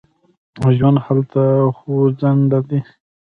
ژوند هلته خوځنده دی.